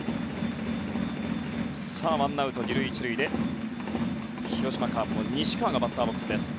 さあ、ワンアウト２塁１塁で広島カープの西川がバッターボックスです。